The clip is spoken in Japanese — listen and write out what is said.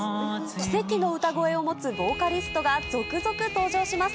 奇跡の歌声を持つボーカリストが続々登場します。